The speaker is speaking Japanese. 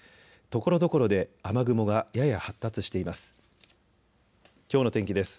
ところどころで雨雲がやや発達しています。